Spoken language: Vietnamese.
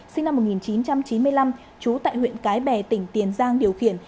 sinh năm một nghìn chín trăm chín mươi năm trú tại huyện cái bè tỉnh tiền giang điều khiển